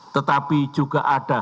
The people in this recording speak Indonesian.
tetapi juga ada